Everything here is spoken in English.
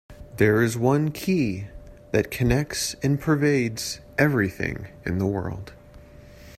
There is one "qi" that connects and pervades everything in the world.